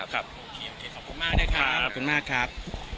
ขอบคุณมากนะครับ